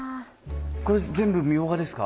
これ全部ミョウガですか？